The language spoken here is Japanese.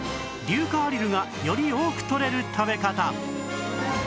硫化アリルがより多くとれる食べ方